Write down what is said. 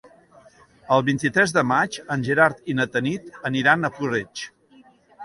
El vint-i-tres de maig en Gerard i na Tanit aniran a Puig-reig.